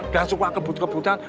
gak suka ngebut ngebutan